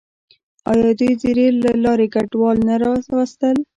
آیا دوی د ریل له لارې کډوال را نه وستل؟